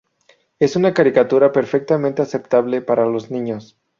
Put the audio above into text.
Es una caricatura perfectamente aceptable para los niños.